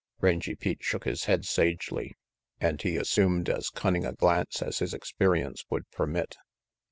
Rangy Pete shook his head sagely, and he assumed as cunning a glance as his experience would permit.